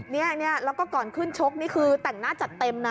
เนี่ยแล้วก็ก่อนขึ้นชกนี่คือแต่งหน้าจัดเต็มนะ